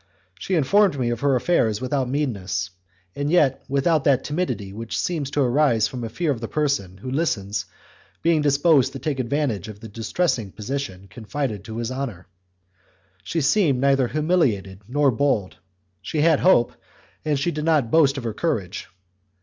She informed me of her affairs without meanness, yet without that timidity which seems to arise from a fear of the person who listens being disposed to take advantage of the distressing position confided to his honour. She seemed neither humiliated nor bold; she had hope, and she did not boast of her courage.